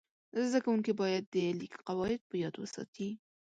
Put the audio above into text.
زده کوونکي باید د لیک قواعد په یاد وساتي.